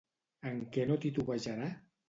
En què no titubejarà?